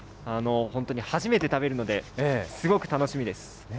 私、本当に初めて食べるので、すごく楽しみです。